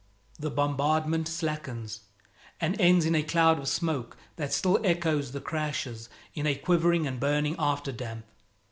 The bombardment slackens, and ends in a cloud of smoke that still echoes the crashes, in a quivering and burning after damp.